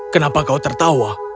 kenapa kau tertawa